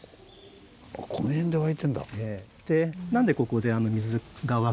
この辺で湧いてんだ。